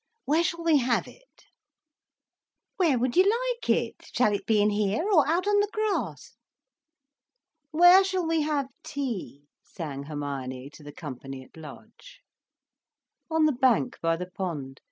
Where shall we have it?" "Where would you like it? Shall it be in here, or out on the grass?" "Where shall we have tea?" sang Hermione to the company at large. "On the bank by the pond.